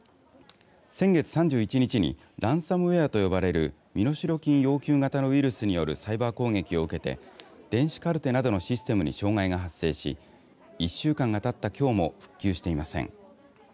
先月３１日にランサムウエアと呼ばれる身代金要求型のウイルスによるサイバー攻撃を受けて電子カルテなどのシステム障害が発生し１週間がたったきょうも復旧していません。